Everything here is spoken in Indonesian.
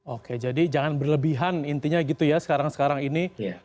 oke jadi jangan berlebihan intinya gitu ya sekarang sekarang ini